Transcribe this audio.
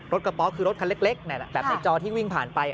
กระเป๋าคือรถคันเล็กแบบในจอที่วิ่งผ่านไป